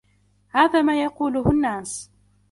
هذا ما يقوله الناس.